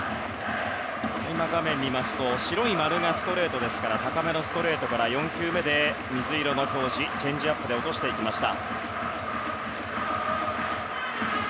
今、画面を見ますと白い丸がストレートですから高めのストレートから４球目で水色の表示チェンジアップで落としていきました。